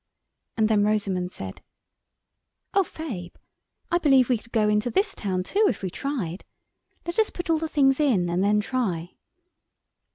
And then Rosamund said— "Oh, Fabe, I believe we could go into this town, too, if we tried! Let us put all the things in, and then try!"